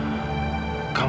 kau percaya sama kakak